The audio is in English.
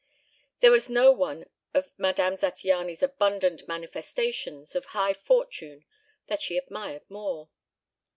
There was no one of Madame Zattiany's abundant manifestations of high fortune that she admired more.